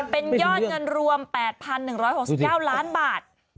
เป็นยอดเงินรวม๘๑๖๙ล้านบาท